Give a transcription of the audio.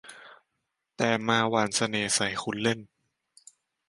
แต่มาหว่านเสน่ห์ใส่คุณเล่น